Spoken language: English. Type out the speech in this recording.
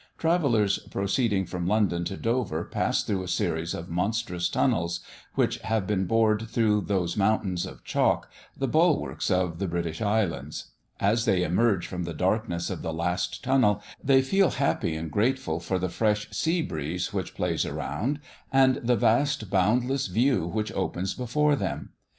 Travellers proceeding from London to Dover pass through a series of monstrous tunnels, which have been bored through those mountains of chalk, the bulwarks of the British islands. As they emerge from the darkness of the last tunnel, they feel happy and grateful for the fresh sea breeze which plays around and the vast, boundless view which opens before them.